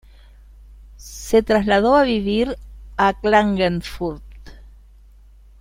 Se trasladó a vivir a Klagenfurt.